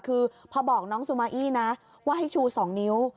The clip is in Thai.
คือพอบอกน้องซูมาอี้นะว่าให้ชู๒นิ้ว